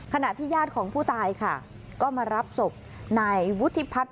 ขณะที่ญาติของผู้ตายค่ะก็มารับศพนายวุฒิพัฒน์